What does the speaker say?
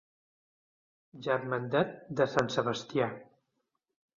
Germandat de Sant Sebastià.